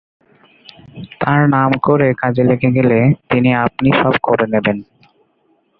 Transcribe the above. তাঁর নাম করে কাজে লেগে গেলে তিনি আপনিই সব করে নেবেন।